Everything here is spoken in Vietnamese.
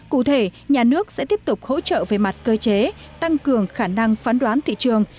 cụ thể nhà nước sẽ tiếp tục hỗ trợ về mặt cơ chế tăng cường khả năng phán đoán thị trường